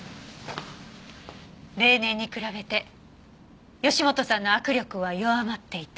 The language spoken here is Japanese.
例年に比べて義本さんの握力は弱まっていた。